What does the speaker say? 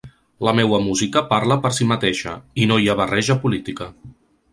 La meua música parla per si mateixa, i no hi barrege política.